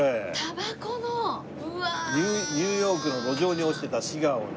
ニューヨークの路上に落ちてたシガーをね。